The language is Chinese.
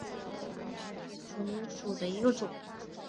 圆芽箭竹为禾本科箭竹属下的一个种。